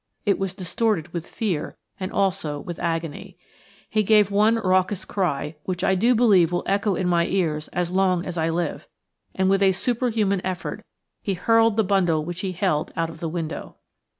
It was distorted with fear and also with agony. He gave one raucous cry, which I do believe will echo in my ears as long as I live, and with a superhuman effort he hurled the bundle which he held out of the window.